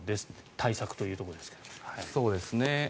対策というところですが。